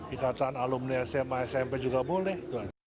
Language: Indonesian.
ikatan alumni sma smp juga boleh